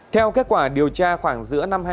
theo kết quả điều tra khoảng giữa năm